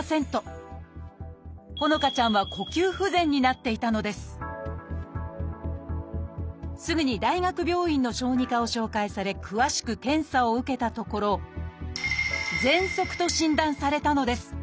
帆乃花ちゃんは呼吸不全になっていたのですすぐに大学病院の小児科を紹介され詳しく検査を受けたところ「ぜんそく」と診断されたのです。